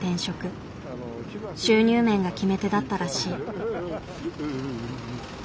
収入面が決め手だったらしい。